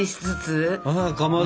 あかまど。